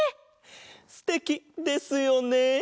すてきですよね！